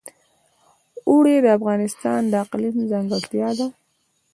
اوړي د افغانستان د اقلیم ځانګړتیا ده.